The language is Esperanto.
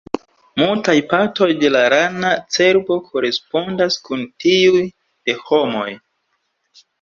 Multaj partoj de la rana cerbo korespondas kun tiuj de homoj.